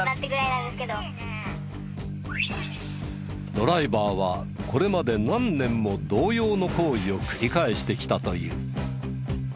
ドライバーはこれまで何年も同様の行為を繰り返してきたという。